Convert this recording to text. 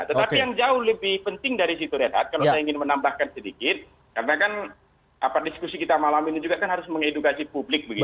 tetapi yang jauh lebih penting dari situ redhat kalau saya ingin menambahkan sedikit karena kan diskusi kita malam ini juga kan harus mengedukasi publik begitu